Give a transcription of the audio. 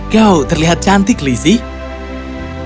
kau terlihat cantik lizzie